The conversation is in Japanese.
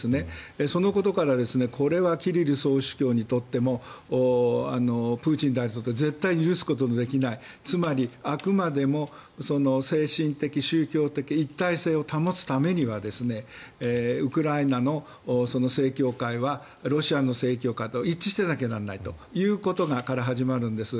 そのことからこれはキリル総主教にとってもプーチン大統領にとっても絶対に許すことのできないつまりあくまでも精神的・宗教的一体性を保つためにはウクライナの正教会はロシアの正教会と一致してなきゃならないということから始まるんです。